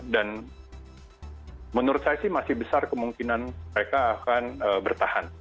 dan menurut saya sih masih besar kemungkinan mereka akan bertahan